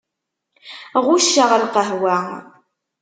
Ɣucceɣ lqahwa.